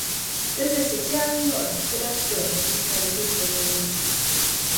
To je ze sociálního a hospodářského hlediska nezodpovědné.